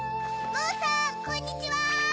モオさんこんにちは！